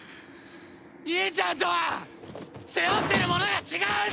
兄ちゃんとは背負ってるものが違うんだよ！！